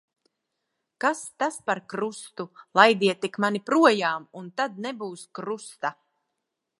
Kas ta par krustu. Laidiet tik mani projām, un tad nebūs krusta.